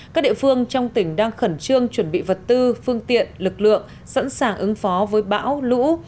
các địa phương trong tỉnh đang khẩn trương chuẩn bị vật tư phương tiện lực lượng sẵn sàng ứng phó với bão lũ